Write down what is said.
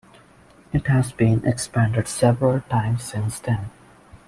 It has been expanded several times since then.